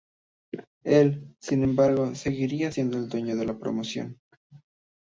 Él, sin embargo, seguiría siendo el dueño de la promoción.